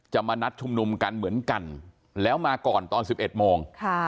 มานัดชุมนุมกันเหมือนกันแล้วมาก่อนตอน๑๑โมง